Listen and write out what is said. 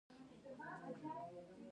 دوی د ممبۍ بریدونه هیر کړي نه دي.